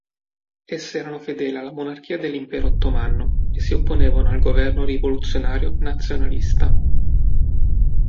Esse erano fedeli alla monarchia dell'Impero ottomano e si opponevano al governo rivoluzionario nazionalista.